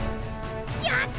やった！